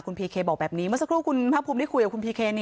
คุณพีเคบอกแบบนี้เมื่อสักครู่คุณภาคภูมิได้คุยกับคุณพีเค